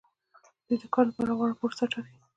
دوی د کار لپاره غوره پروسه ټاکي.